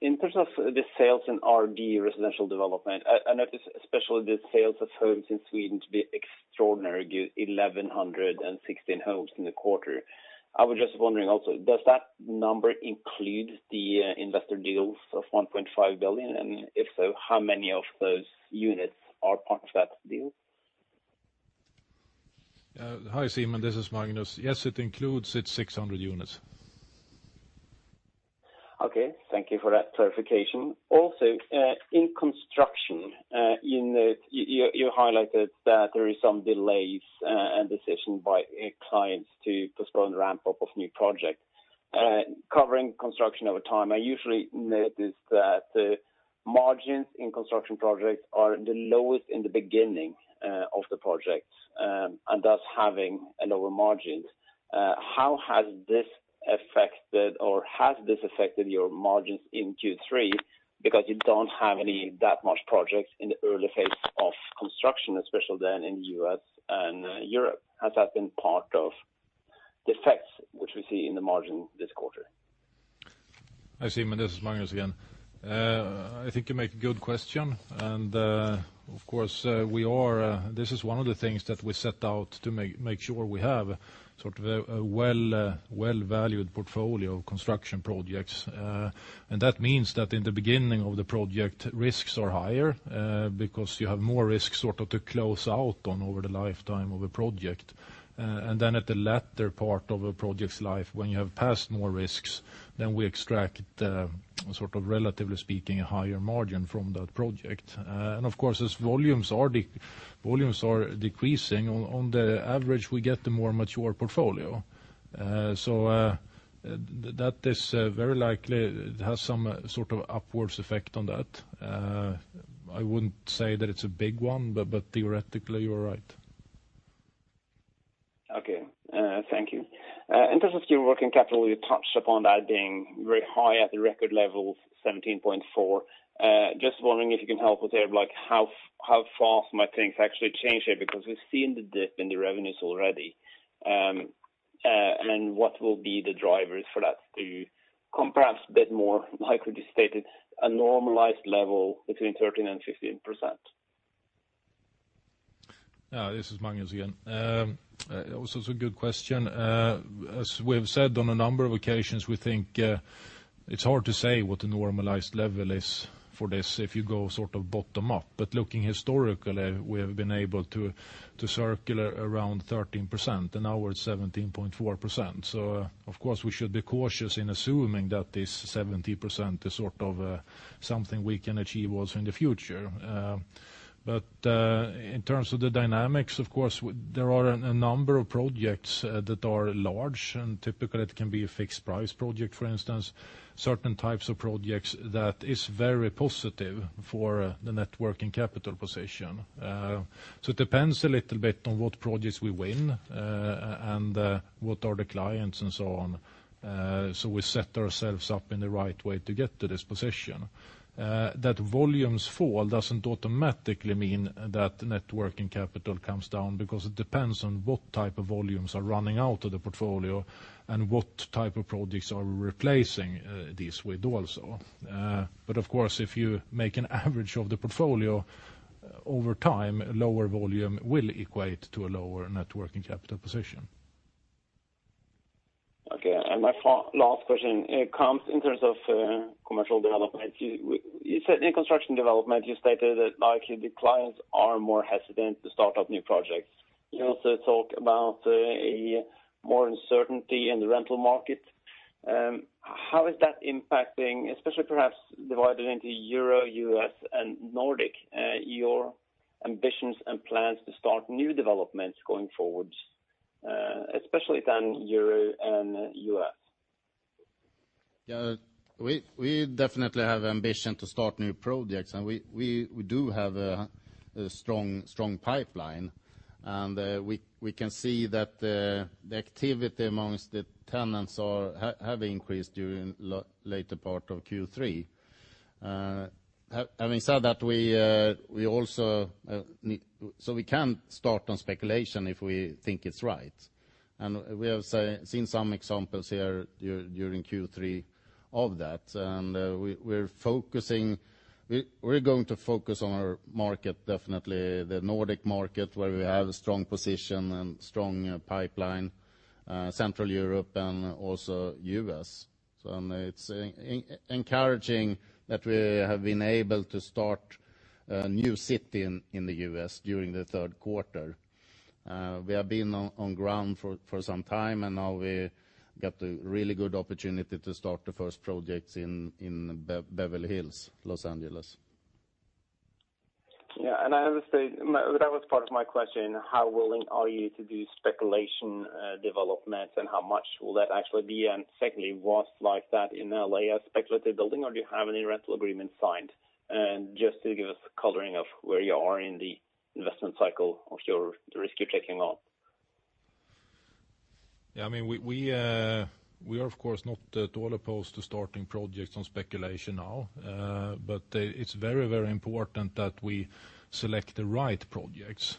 In terms of the sales in RD, residential development, I noticed especially the sales of homes in Sweden to be extraordinary, give 1,116 homes in the quarter. I was just wondering also, does that number include the investor deals of 1.5 billion? If so, how many of those units are part of that deal? Hi, Simon, this is Magnus. Yes, it includes, it's 600 units. Okay, thank you for that clarification. In Construction, you highlighted that there is some delays and decision by clients to postpone the ramp-up of new project. Covering Construction over time, I usually notice that the margins in Construction projects are the lowest in the beginning of the projects, and thus having lower margins. How has this affected or has this affected your margins in Q3? You don't have that much projects in the early phase of Construction, especially then in U.S. and Europe. Has that been part of the effects which we see in the margin this quarter? Hi, Simon. This is Magnus again. I think you make a good question. Of course, this is one of the things that we set out to make sure we have a well-valued portfolio of Construction projects. That means that in the beginning of the project, risks are higher because you have more risk to close out on over the lifetime of a project. Then at the latter part of a project's life, when you have passed more risks, then we extract, relatively speaking, a higher margin from that project. Of course, as volumes are decreasing, on the average, we get the more mature portfolio. That is very likely it has some sort of upwards effect on that. I wouldn't say that it's a big one, but theoretically you are right. Thank you. In terms of your working capital, you touched upon that being very high at the record level of 17.4%. Just wondering if you can help with how fast might things actually change here, because we've seen the dip in the revenues already? What will be the drivers for that to come, perhaps, a bit more, like you just stated, a normalized level between 13% and 15%? This is Magnus again. It's a good question. As we have said on a number of occasions, we think it's hard to say what the normalized level is for this, if you go bottom up. Looking historically, we have been able to circle around 13%, and now we're at 17.4%. Of course, we should be cautious in assuming that this 17% is something we can achieve also in the future. In terms of the dynamics, of course, there are a number of projects that are large, and typically it can be a fixed price project, for instance, certain types of projects that is very positive for the net working capital position. It depends a little bit on what projects we win and what are the clients and so on. We set ourselves up in the right way to get to this position. That volumes fall doesn't automatically mean that net working capital comes down because it depends on what type of volumes are running out of the portfolio and what type of projects are replacing these with also. Of course, if you make an average of the portfolio over time, lower volume will equate to a lower net working capital position. Okay. My last question comes in terms of commercial development. You said in construction development, you stated that likely the clients are more hesitant to start up new projects. You also talk about more uncertainty in the rental market. How is that impacting, especially perhaps divided into Euro, U.S., and Nordic, your ambitions and plans to start new developments going forward, especially then Euro and U.S.? We definitely have ambition to start new projects, and we do have a strong pipeline, and we can see that the activity amongst the tenants have increased during later part of Q3. Having said that, we can start on speculation if we think it's right. We have seen some examples here during Q3 of that. We're going to focus on our market, definitely the Nordic market, where we have a strong position and strong pipeline, Central Europe and also U.S. It's encouraging that we have been able to start a new City Gate in the U.S. during the third quarter. We have been on ground for some time, and now we got a really good opportunity to start the first projects in Beverly Hills, L.A. Yeah. Obviously, that was part of my question. How willing are you to do speculation developments, and how much will that actually be? Secondly, was that in L.A. a speculative building, or do you have any rental agreements signed? Just to give us a coloring of where you are in the investment cycle of the risk you're taking on. Yeah, we are of course not at all opposed to starting projects on speculation now. It's very important that we select the right projects.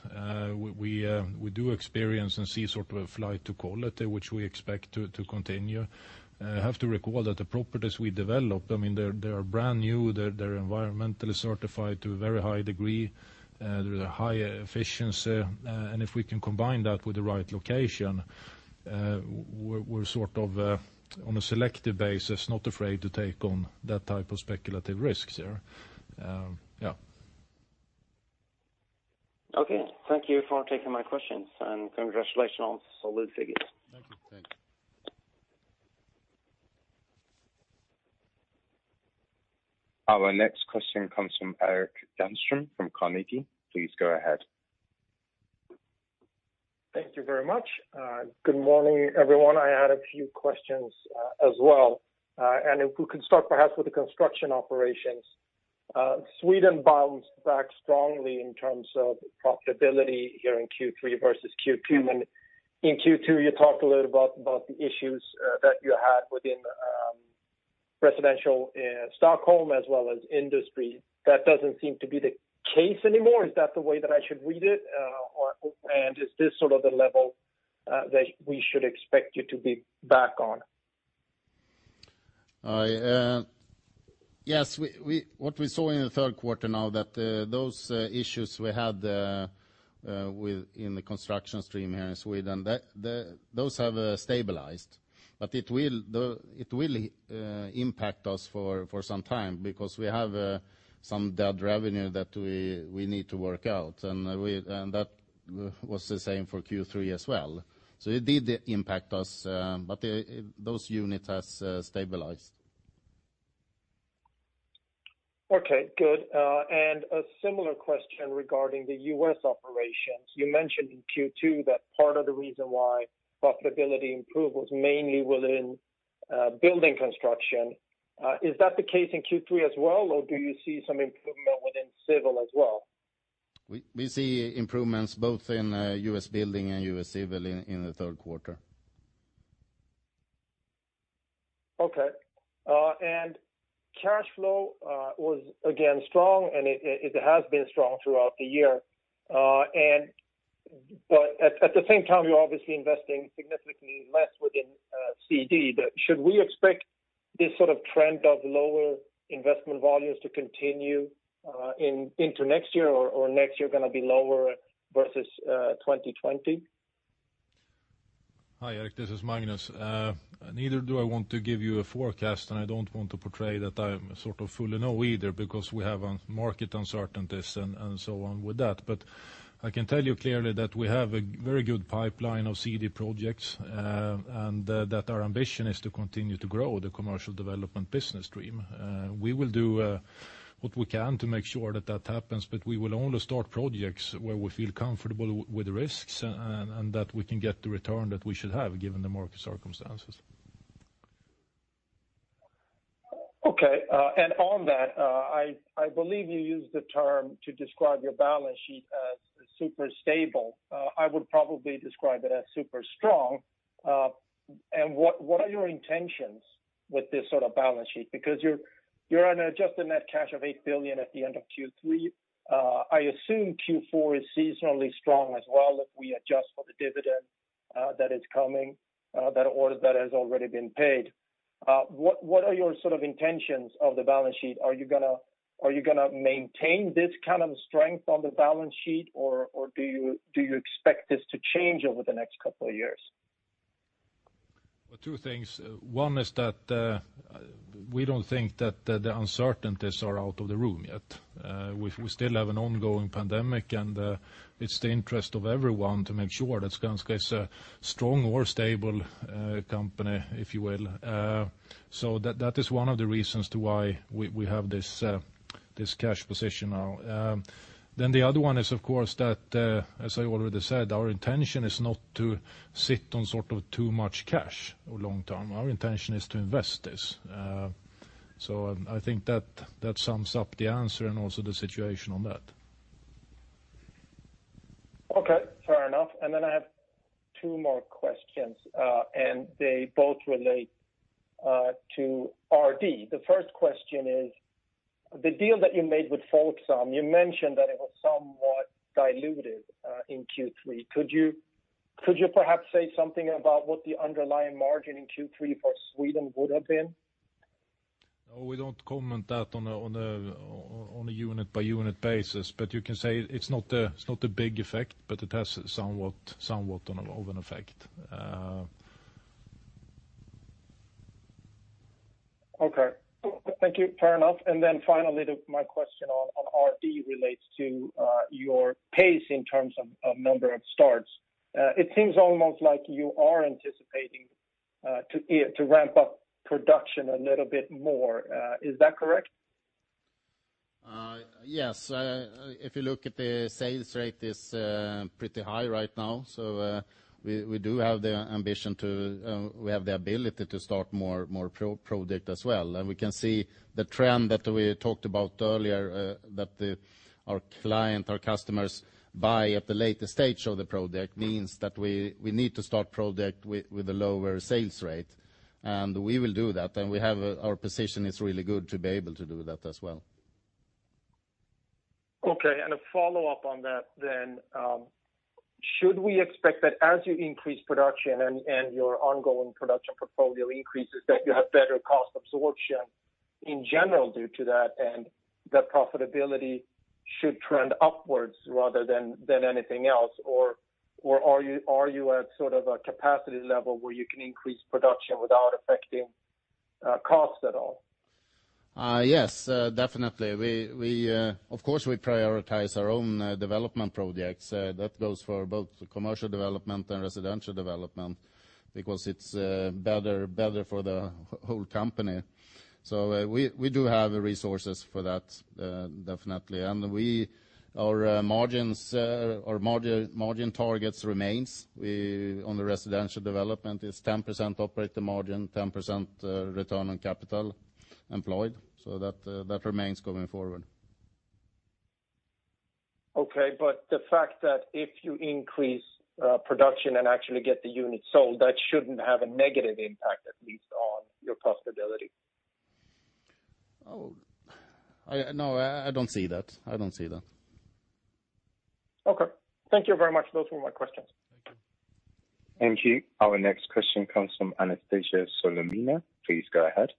We do experience and see a flight to quality, which we expect to continue. Have to recall that the properties we develop, they are brand new. They're environmentally certified to a very high degree. They're high efficiency. If we can combine that with the right location, we're on a selective basis, not afraid to take on that type of speculative risks there. Yeah. Okay. Thank you for taking my questions and congratulations on solid figures. Thank you. Thank you. Our next question comes from Erik Granström from Carnegie. Please go ahead. Thank you very much. Good morning, everyone. I had a few questions as well. If we can start perhaps with the Construction operations. Sweden bounced back strongly in terms of profitability here in Q3 versus Q2. In Q2, you talked a little about the issues that you had within residential Stockholm as well as industry. That doesn't seem to be the case anymore. Is that the way that I should read it? Is this the level that we should expect you to be back on? Yes. What we saw in the third quarter now that those issues we had within the Construction stream here in Sweden, those have stabilized. It will impact us for some time because we have some dead revenue that we need to work out, and that was the same for Q3 as well. It did impact us, but those units have stabilized. Okay, good. A similar question regarding the U.S. operations. You mentioned in Q2 that part of the reason why profitability improved was mainly within USA Building. Is that the case in Q3 as well, or do you see some improvement within USA Civil as well? We see improvements both in USA Building and USA Civil in the third quarter. Okay. cash flow was again strong, and it has been strong throughout the year. At the same time, you're obviously investing significantly less within CD. Should we expect this sort of trend of lower investment volumes to continue into next year, or next year going to be lower versus 2020? Hi, Erik, this is Magnus. Neither do I want to give you a forecast, and I don't want to portray that I sort of fully know either, because we have market uncertainties and so on with that. I can tell you clearly that we have a very good pipeline of CD projects, and that our ambition is to continue to grow the commercial development business stream. We will do what we can to make sure that that happens, but we will only start projects where we feel comfortable with the risks, and that we can get the return that we should have given the market circumstances. Okay. On that, I believe you used the term to describe your balance sheet as super stable. I would probably describe it as super strong. What are your intentions with this sort of balance sheet? Because you're on an adjusted net cash of 8 billion at the end of Q3. I assume Q4 is seasonally strong as well if we adjust for the dividend that is coming, that has already been paid. What are your intentions of the balance sheet? Are you going to maintain this kind of strength on the balance sheet, or do you expect this to change over the next couple of years? Two things. One is that we don't think that the uncertainties are out of the room yet. We still have an ongoing pandemic, and it's the interest of everyone to make sure that Skanska is a strong or stable company, if you will. That is one of the reasons to why we have this cash position now. The other one is, of course, that, as I already said, our intention is not to sit on too much cash long term. Our intention is to invest this. I think that sums up the answer and also the situation on that. Okay, fair enough. I have two more questions, and they both relate to RD. The first question is the deal that you made with Folksam, you mentioned that it was somewhat diluted in Q3. Could you perhaps say something about what the underlying margin in Q3 for Sweden would have been? No, we don't comment that on a unit by unit basis. You can say it's not a big effect, but it has somewhat of an effect. Okay. Thank you. Fair enough. Finally, my question on RD relates to your pace in terms of number of starts. It seems almost like you are anticipating to ramp up production a little bit more. Is that correct? Yes. If you look at the sales rate is pretty high right now. We do have the ambition to, we have the ability to start more project as well. We can see the trend that we talked about earlier that our client, our customers buy at the later stage of the project means that we need to start project with a lower sales rate, and we will do that. Our position is really good to be able to do that as well. Okay, a follow-up on that then. Should we expect that as you increase production and your ongoing production portfolio increases, that you have better cost absorption in general due to that, and that profitability should trend upwards rather than anything else? Are you at a capacity level where you can increase production without affecting cost at all? Yes, definitely. Of course, we prioritize our own development projects. That goes for both commercial development and residential development because it is better for the whole company. We do have resources for that, definitely. Our margin targets remains. On the residential development, it is 10% operating margin, 10% return on capital employed. That remains going forward. Okay. The fact that if you increase production and actually get the units sold, that shouldn't have a negative impact, at least on your profitability. No, I don't see that. Okay. Thank you very much. Those were my questions. Thank you. Thank you. Our next question comes from Anastasia Solonitsyna. Please go ahead.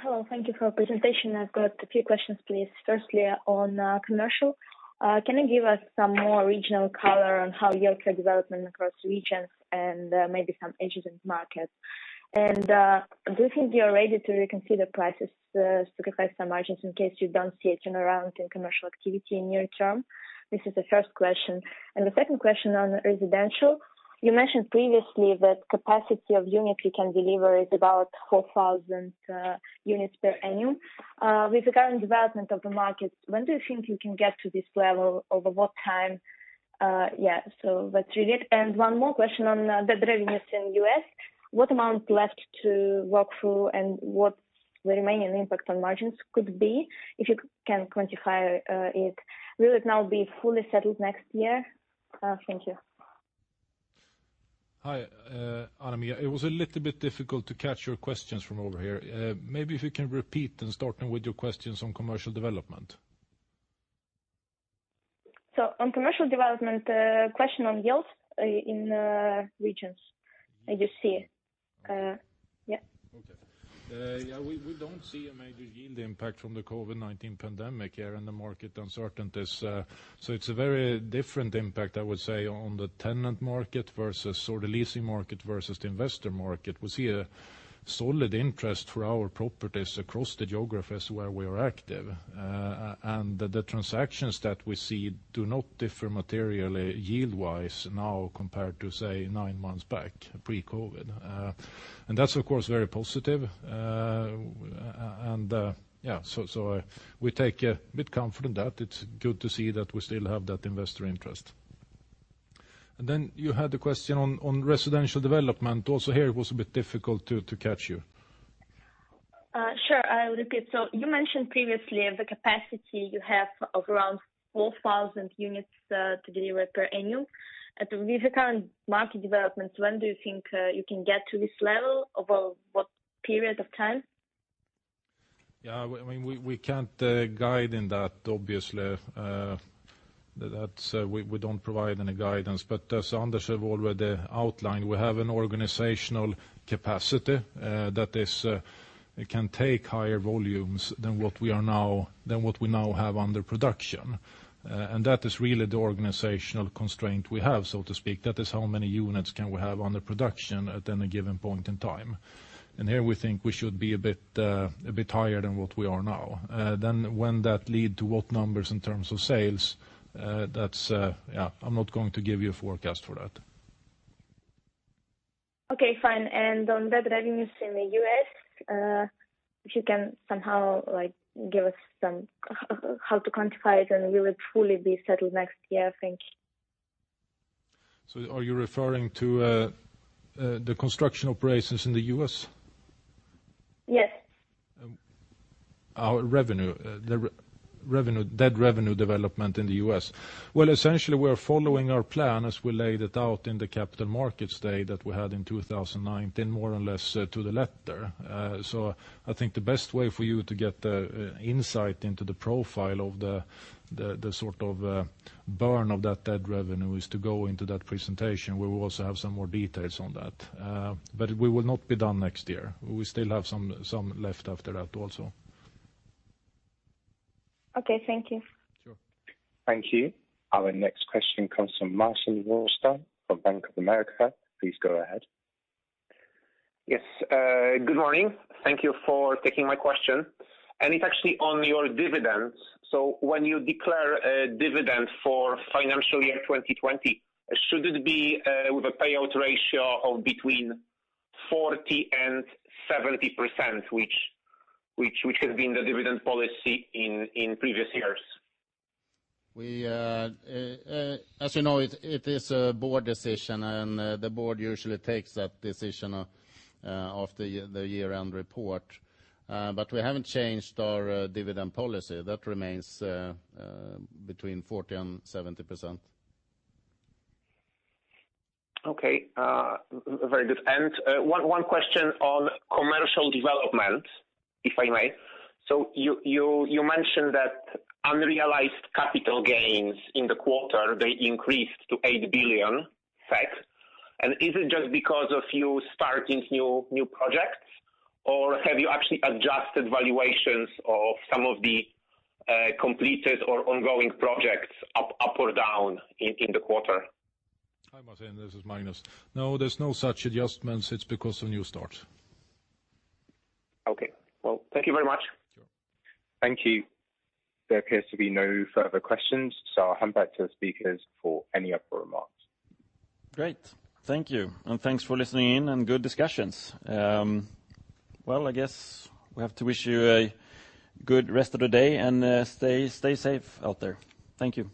Hello. Thank you for your presentation. I've got a few questions, please. Firstly, on commercial, can you give us some more regional color on how you look at development across regions and maybe some yields in markets? Do you think you are ready to reconsider prices to protect some margins in case you don't see a turnaround in commercial activity in near term? This is the first question. The second question on residential, you mentioned previously that capacity of units you can deliver is about 4,000 units per annum. With the current development of the market, when do you think you can get to this level? Over what time? Yeah. That's really it. One more question on the revenues in U.S. What amount left to work through? What the remaining impact on margins could be, if you can quantify it. Will it now be fully settled next year? Thank you. Hi, Anastasia. It was a little bit difficult to catch your questions from over here. Maybe if you can repeat, starting with your questions on commercial development. On commercial development, question on yields in regions. I just see. Yeah. We don't see a major yield impact from the COVID-19 pandemic here in the market uncertainties. It's a very different impact, I would say, on the tenant market versus sort of leasing market versus the investor market. We see a solid interest for our properties across the geographies where we are active. The transactions that we see do not differ materially yield-wise now compared to say, nine months back, pre-COVID. That's of course, very positive. We take a bit comfort in that. It's good to see that we still have that investor interest. You had the question on residential development. Also here, it was a bit difficult to catch you. Sure. I'll repeat. You mentioned previously the capacity you have of around 4,000 units to deliver per annum. With the current market developments, when do you think you can get to this level? Over what period of time? Yeah. We can't guide in that obviously. We don't provide any guidance. As Anders have already outlined, we have an organizational capacity that can take higher volumes than what we now have under production. That is really the organizational constraint we have, so to speak. That is how many units can we have under production at any given point in time. Here we think we should be a bit higher than what we are now. When that lead to what numbers in terms of sales, I'm not going to give you a forecast for that. Okay, fine. On that revenues in the U.S., if you can somehow give us how to quantify it, will it truly be settled next year? Thank you. Are you referring to the construction operations in the U.S.? Yes. Our revenue, that revenue development in the U.S. Well, essentially we're following our plan as we laid it out in the Capital Markets Day that we had in 2019, more or less to the letter. I think the best way for you to get insight into the profile of the sort of burn of that revenue is to go into that presentation where we also have some more details on that. We will not be done next year. We still have some left after that also. Okay. Thank you. Sure. Thank you. Our next question comes from Marcin Wojtal from Bank of America. Please go ahead. Yes. Good morning. Thank you for taking my question. It's actually on your dividends. When you declare a dividend for financial year 2020, should it be with a payout ratio of between 40% and 70%, which has been the dividend policy in previous years? As you know, it is a board decision, and the board usually takes that decision after the year-end report. We haven't changed our dividend policy. That remains between 40% and 70%. Okay. Very good. One question on commercial development, if I may. You mentioned that unrealized capital gains in the quarter, they increased to 8 billion SEK. Is it just because of you starting new projects, or have you actually adjusted valuations of some of the completed or ongoing projects up or down in the quarter? Hi, Marcin. This is Magnus. No, there's no such adjustments. It's because of new start. Okay. Well, thank you very much. Sure. Thank you. There appears to be no further questions, so I'll hand back to the speakers for any other remarks. Great. Thank you. Thanks for listening in, and good discussions. Well, I guess we have to wish you a good rest of the day, and stay safe out there. Thank you